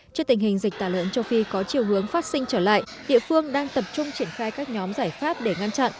trước tình hình dịch tả lợn châu phi có chiều hướng phát sinh trở lại địa phương đang tập trung triển khai các nhóm giải pháp để ngăn chặn